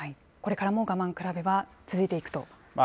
これからも我慢比べは続いていくと。